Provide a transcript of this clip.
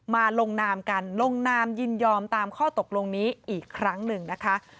ลงนามกันลงนามยินยอมตามข้อตกลงนี้อีกครั้งหนึ่งนะคะ